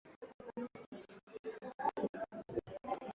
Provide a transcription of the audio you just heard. wakati taifa la afrika kusini lenyewe likijiandaa